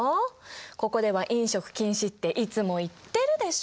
ここでは飲食禁止っていつも言ってるでしょ！